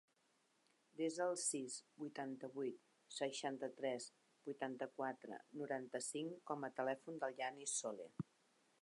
Desa el sis, vuitanta-vuit, seixanta-tres, vuitanta-quatre, noranta-cinc com a telèfon del Yanis Sole.